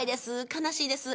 悲しいです。